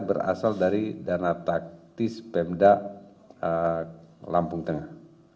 berasal dari dana taktis pemda lampung tengah